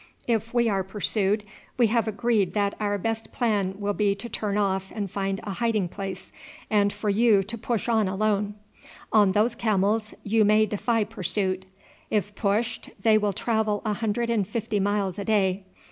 If we are pursued, we have agreed that our best plan will be to turn off and find a hiding place, and for you to push on alone. On those camels you may defy pursuit. If pushed they will travel a hundred and fifty miles a day.